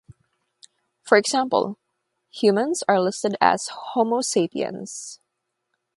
For example, humans are listed as "Homo sapiens".